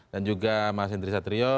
dan juga mas indri satrio